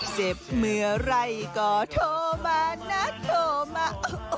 เจ็บเมื่อไหร่ก็โทรมานะโทรมา